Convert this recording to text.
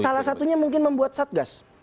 salah satunya mungkin membuat satgas